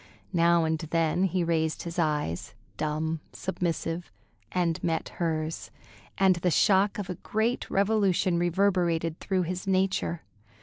Now and then he raised his eyes, dumb, submissive, and met hers, and the shock of a great revolution reverberated through his nature.